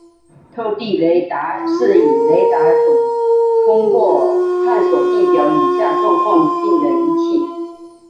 透地雷达是以雷达脉冲波探测地表以下状况并的仪器。